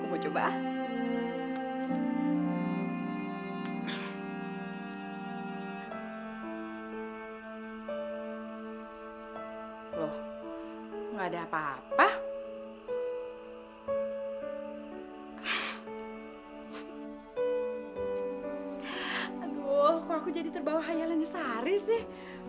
oh kok aku jadi terbawa hayal ini sari sih